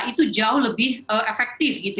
itu jauh lebih efektif